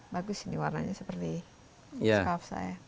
bagus ini warnanya seperti staff saya